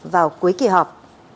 vào cuối kỳ họp